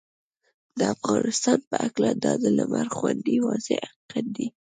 د افغانستان په هکله دا د لمر غوندې واضحه حقیقت دی